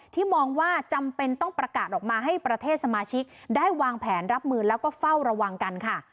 มองว่าจำเป็นต้องประกาศออกมาให้ประเทศสมาชิกได้วางแผนรับมือแล้วก็เฝ้าระวังกันค่ะ